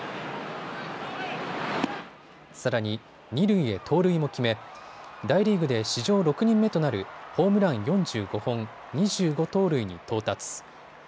さらに二塁へ盗塁も決め大リーグで史上６人目となるホームラン４５本、２５盗塁に到達。